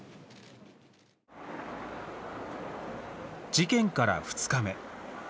事件から２日目。